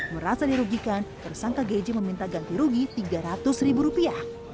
merasa dirugikan tersangka gj meminta ganti rugi tiga ratus ribu rupiah